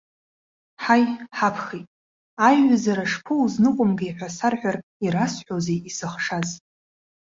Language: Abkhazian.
Ҳаи, ҳабхеит, аиҩызара шԥоузныҟәымгеи ҳәа сарҳәар, ирасҳәозеи исыхшаз?!